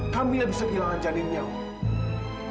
kamila bisa kehilangan janinnya om